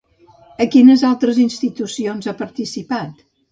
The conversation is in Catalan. En quines altres institucions ha participat?